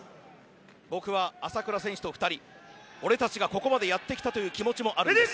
僕は、朝倉選手と２人俺たちがここまでやってきたという気持ちもあります。